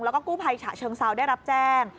แล้วก็กู้ภัยฉะเชิงเซาได้รับแจ้ง